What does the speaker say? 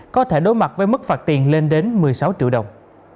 có thể đối mặt với mức phạt tiền lên đến một mươi sáu triệu đồng